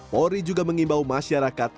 polri juga mengimbau masyarakat